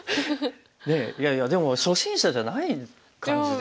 ねえいやいやでも初心者じゃない感じで。